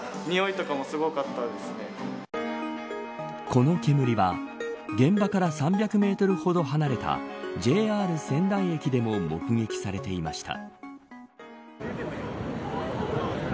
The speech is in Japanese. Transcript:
この煙は現場から３００メートルほど離れたＪＲ仙台駅でも目撃されていました。